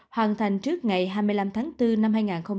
hoàn thành trước ngày hai mươi năm tháng bốn năm hai nghìn hai mươi